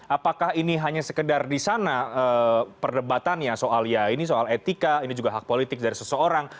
apakah ini hanya sekedar di sana perdebatannya soal ya ini soal etika ini juga hak politik dari seseorang